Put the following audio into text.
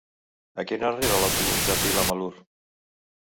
A quina hora arriba l'autobús de Vilamalur?